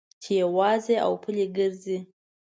چې یوازې او پلي ګرځې.